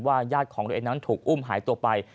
ญาติของตัวเองนั้นถูกอุ้มหายตัวไป